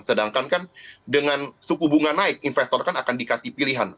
sedangkan kan dengan suku bunga naik investor kan akan dikasih pilihan